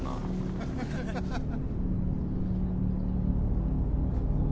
ハハハハ。